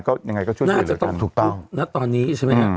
ก็ยังไงก็ช่วยตัวเองเหลือกันน่าจะต้องพูดนะตอนนี้ใช่ไหมครับ